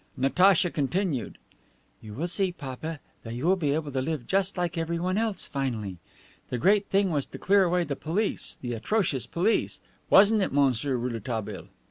Natacha continued: "You will see, papa, that you will be able to live just like everyone else finally. The great thing was to clear away the police, the atrocious police; wasn't it, Monsieur Rouletabille?"